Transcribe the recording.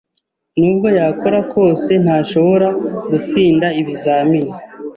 Nubwo yakora kose, ntashobora gutsinda ibizamini.